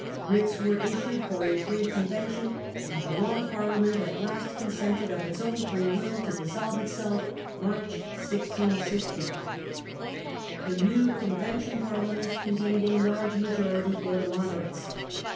Writs were issued for a free "Convention", and the Long Parliament at last consented of its own free will to dissolve itself (March, 1660). The new convention Parliament con tained a large majority for the moderates.